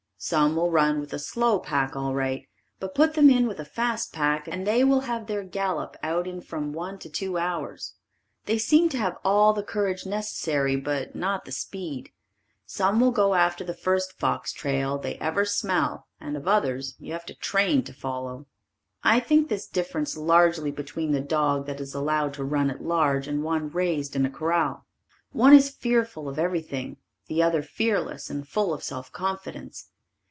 Some will run with a slow pack all right but put them in with a fast pack and they will have their gallop out in from one to two hours. They seem to have all the courage necessary but not the speed. Some will go after the first fox trail they ever smell of and others you have to train to follow. I think this difference largely between the dog that is allowed to run at large and one raised in a corral. One is fearful of everything, the other fearless and full of self confidence.